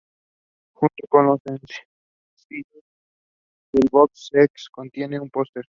Junto con los sencillos, el "box set" contiene un póster.